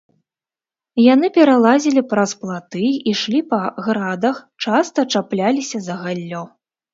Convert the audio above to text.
Яны пералазілі праз платы, ішлі па градах, часта чапляліся за галлё.